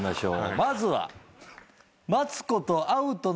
まずは。